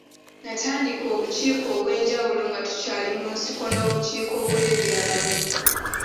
Natandika obukiiko obw’enjawulo nga tukyali mu nsiko n’obukiiko bw’ebyalo.